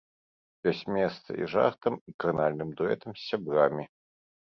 Ёсць месца і жартам, і кранальным дуэтам з сябрамі.